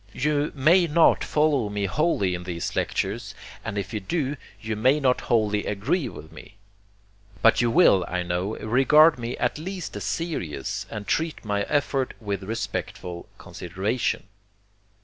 You may not follow me wholly in these lectures; and if you do, you may not wholly agree with me. But you will, I know, regard me at least as serious, and treat my effort with respectful consideration.